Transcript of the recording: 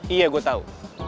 iya gue tau